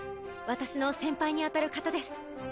私の先輩にあたる方です。